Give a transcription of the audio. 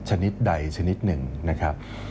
ชนิดใดชนิดหนึ่งนะครับ